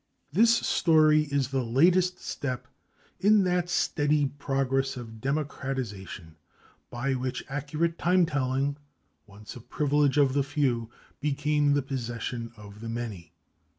This story is the latest step in that steady progress of democratization by which accurate timetelling, once a privilege of the few, became the possession of the many.